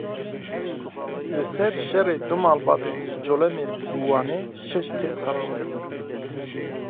Li ser şerê du malbatên ji Colemêrg û Wanê şeş kes hatin girtin.